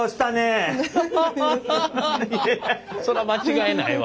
そら間違いないわ。